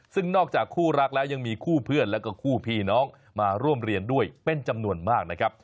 ซึ่งนอกจากคู่รักแล้วยังมีคู่เพื่อนแล้วก็คู่พี่น้องมาร่วมเรียนด้วยเป็นจำนวนมากนะครับ